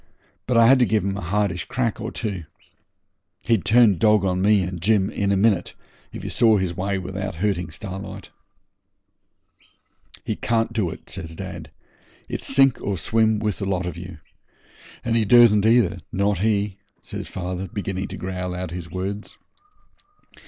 But I had to give him a hardish crack or two. He'd turn dog on me and Jim, and in a minute, if he saw his way without hurting Starlight.' 'He can't do it,' says dad; 'it's sink or swim with the lot of you. And he dursn't either, not he,' says father, beginning to growl out his words.